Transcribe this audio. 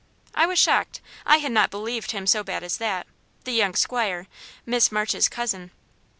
I was shocked; I had not believed him so bad as that the young 'squire Miss March's cousin.